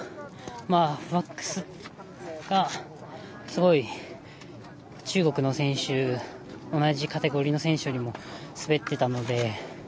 ワックスがすごい中国の選手同じカテゴリーの選手よりも滑っていたので。